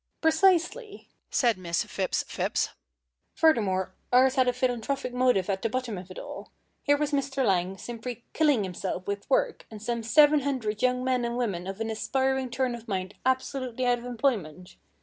"Precisely," said Miss Phipps Phipps. "Furthermore, ours had a philanthropic motive at the bottom of it all. Here was Mr. Lang simply killing himself with work, and some 700 young men and women of an aspiring turn of mind absolutely out of employment.